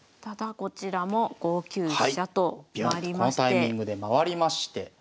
ただこちらも５九飛車と回りまして。